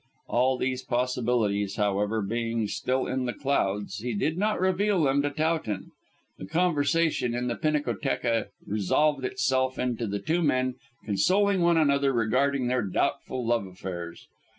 All these possibilities, however, being still in the clouds, he did not reveal them to Towton. The conversation in the pinacotheca resolved itself into the two men consoling one another regarding their doubtful love affairs.